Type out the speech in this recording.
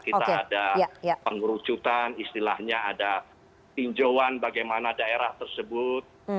kita ada pengerucutan istilahnya ada tinjauan bagaimana daerah tersebut